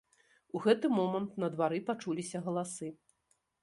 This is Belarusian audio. У гэты момант на двары пачуліся галасы.